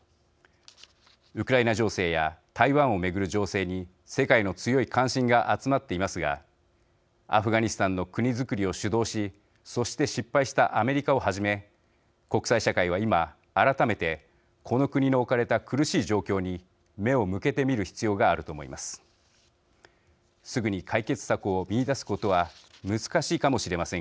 ウクライナ情勢や台湾を巡る情勢に世界の強い関心が集まっていますがアフガニスタンの国づくりを主導しそして失敗したアメリカをはじめ国際社会は今、改めてこの国の置かれた苦しい状況に目を向けてみる必要があると思います。